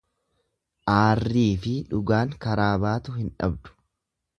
Aarrii fi dhugaan karaa baatu hin dhabdu.